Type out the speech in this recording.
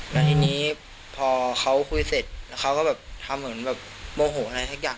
แล้วทีนี้พอเขาคุยเสร็จแล้วเขาก็แบบทำเหมือนแบบโมโหอะไรสักอย่าง